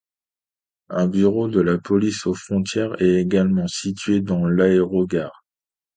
Un bureau de la Police aux frontières est également situé dans l'aérogare.